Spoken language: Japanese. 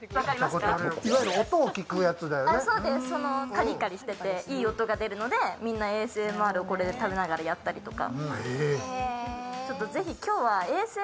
カリカリしてていい音が出るのでＡＳＭＲをこれでやったりとか。